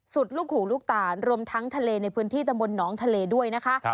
สุดหลุกหูหลุกต่านรวมทั้งทะเลในพื้นที่ตะบนหนองทะเลด้วยนะคะ